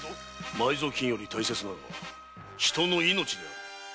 埋蔵金より大切なのは人の命である。